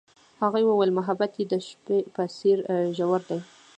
هغې وویل محبت یې د شپه په څېر ژور دی.